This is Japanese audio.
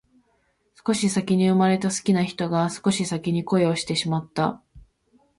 少し先に生まれた好きな人が少し先に恋をしてしまった